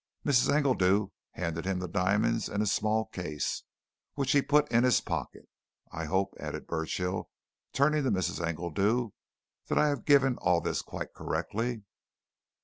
Mrs. Engledew handed him the diamonds in a small case, which he put in his pocket. I hope," added Burchill, turning to Mrs. Engledew, "that I have given all this quite correctly?"